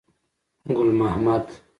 ګل محمد.